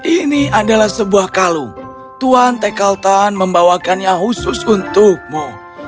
ini adalah sebuah kalung tuan tekalton membawakannya khusus untukmu